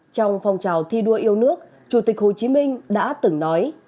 trong phong trào thi đua yêu nước chủ tịch hồ chí minh đã từng nói